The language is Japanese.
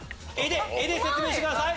絵で説明してください。